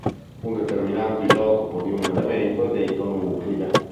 Un determinato isotopo di un elemento è detto nuclide.